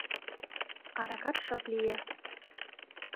Адакат шып лие.